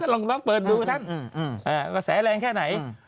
ลองเปิดดูท่านกระแสแรงแค่ไหน